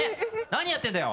何やってんだよ？